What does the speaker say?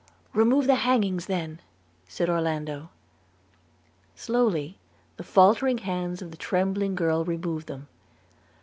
'Remove the hangings then,' said Orlando. Slowly the faltering hands of the trembling girl removed them.